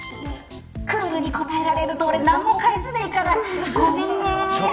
クールに答えられると、俺何も返せないから、ごめんね。